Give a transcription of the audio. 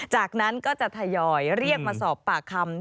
จากนั้นก็จะทยอยเรียกมาสอบปากคำ